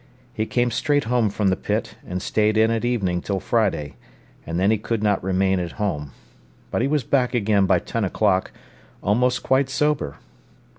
He came straight home from the pit, and stayed in at evening till Friday, and then he could not remain at home. But he was back again by ten o'clock, almost quite sober.